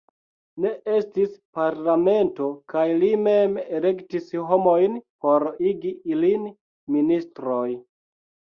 Ne estis parlamento kaj li mem elektis homojn por igi ilin ministroj.